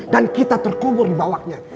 dan kita terkubur di bawahnya